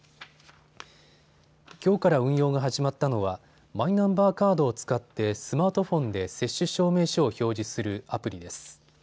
きょうから運用が始まったのはマイナンバーカードを使ってスマートフォンで接種証明書を表示するアプリです。